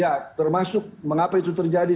ya termasuk mengapa itu terjadi